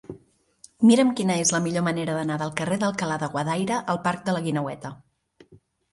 Mira'm quina és la millor manera d'anar del carrer d'Alcalá de Guadaira al parc de la Guineueta.